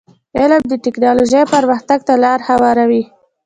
علم د ټکنالوژی پرمختګ ته لار هواروي.